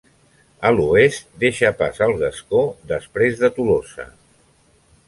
A l'oest, deixa pas al gascó després de Tolosa.